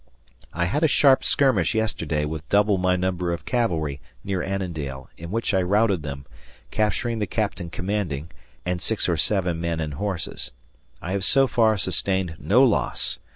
I had a sharp skirmish yesterday with double my number of cavalry near Annandale in which I routed them, capturing the captain commanding and 6 or 7 men and horses. I have so far sustained no loss.